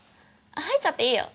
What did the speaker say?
入っちゃっていいよ。